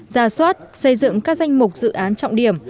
ra soát xây dựng các danh mục dự án trọng điểm